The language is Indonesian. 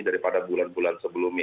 daripada bulan bulan sebelumnya